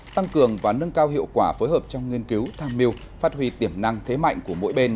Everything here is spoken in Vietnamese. tăng cường và nâng cao hiệu quả phối hợp trong nghiên cứu tham mưu phát huy tiềm năng thế mạnh của mỗi bên